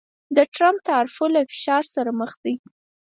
د ټرمپ د تعرفو له فشار سره مخ دی